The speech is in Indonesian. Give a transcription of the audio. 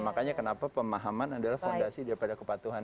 makanya kenapa pemahaman adalah fondasi daripada kepatuhan